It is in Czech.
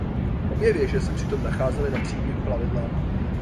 Obě věže se přitom nacházely na přídi plavidla.